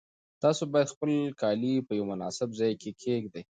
تاسو باید خپل کالي په یو مناسب ځای کې کېږدئ.